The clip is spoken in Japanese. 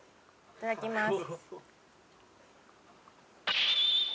いただきます